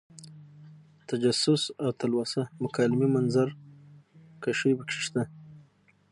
تجسس او تلوسه مکالمې منظر کشۍ پکې شته.